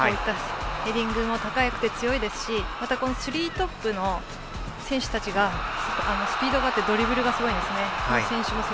ヘディングも高くて強いですしまた、スリートップの選手たちがスピードがあってドリブルがすごいんですね。